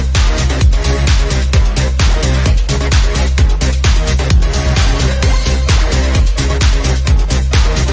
ถ้าเกิดคนในบ้านเขานุมในมีอีกเงินไข้